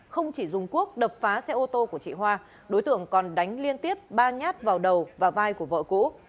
không chỉ dùng quốc đập phá xe ô tô của chị hoa đối tượng còn đánh liên tiếp ba nhát vào đầu và vai của vợ cũ